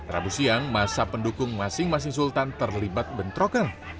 rabu siang masa pendukung masing masing sultan terlibat bentrokan